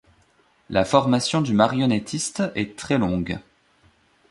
La formation du marionnettiste est très longue.